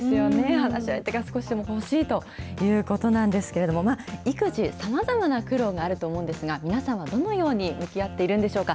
話し相手が少しでも欲しいということなんですけれども、育児、さまざまな苦労があると思うんですが、皆さんはどのように向き合っているんでしょうか。